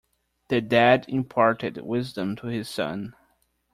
The dad imparted wisdom to his son.